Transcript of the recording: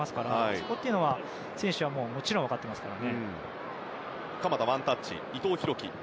そこは選手はもちろん分かっていますから。